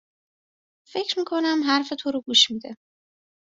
فکر می کنم حرف تو رو گوش می ده